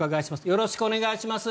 よろしくお願いします。